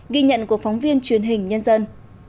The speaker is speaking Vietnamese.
ghi nhận của phóng viên truyền hình nhân dân